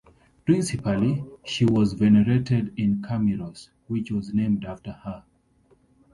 Principally, she was venerated in Kamiros, which was named after her.